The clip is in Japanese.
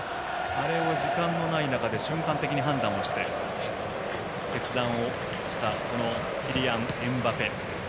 あれを、時間のない中で瞬間的に判断をして、決断をしたキリアン・エムバペ。